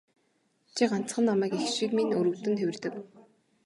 Чи ганцхан намайг эх шиг минь өрөвдөн тэвэрдэг.